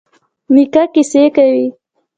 نیکه کیسې کوي.